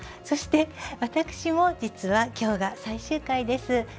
そして私も実は今日が最終回です。